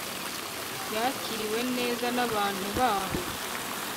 Yakiriwe neza nabantu baho